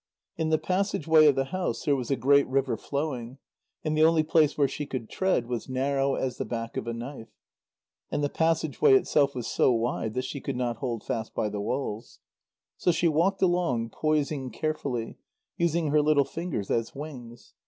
In the passage way of the house there was a great river flowing, and the only place where she could tread was narrow as the back of a knife. And the passage way itself was so wide that she could not hold fast by the walls. So she walked along, poising carefully, using her little fingers as wings.